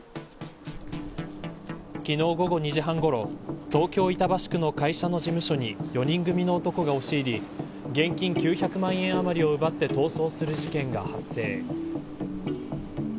昨日午後２時半ごろ東京、板橋区の会社の事務所に４人組の男が押し入り現金９００万円を奪って逃走する事件が発生。